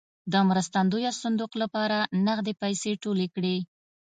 د مرستندویه صندوق لپاره نغدې پیسې ټولې کړې.